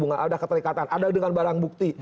ada keterikatan ada dengan barang bukti